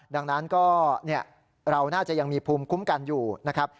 ดังนั้นก็เราน่าจะยังมีภูมิคุ้มกันอยู่นะครับ